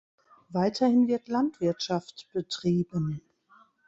Weiterhin wird Landwirtschaft betrieben.